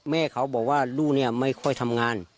แม่เขาบอกว่าลูกเนี่ยไม่ค่อยทำงาน